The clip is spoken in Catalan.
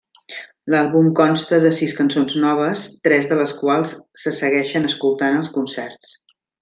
L'àlbum consta de sis cançons noves, tres de les quals se segueixen escoltant als concerts.